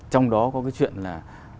trong đó có cái chuyện là